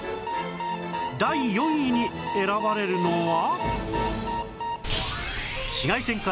第４位に選ばれるのは